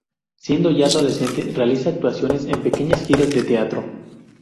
Siendo ya adolescente, realiza actuaciones en pequeñas giras de teatro.